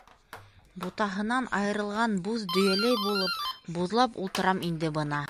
— Бутаһынан айырылған буҙ дөйәләй булып, буҙлап ултырам инде бына.